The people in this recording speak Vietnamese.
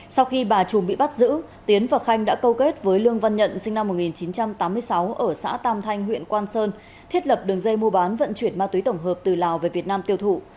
sau khi bà trùm bị bắt giữ tiến và khanh đã câu kết với lương văn nhận sinh năm một nghìn chín trăm tám mươi sáu ở xã tam thanh huyện quang sơn thiết lập đường dây mua bán vận chuyển ma túy tổng hợp từ lào về việt nam tiêu thụ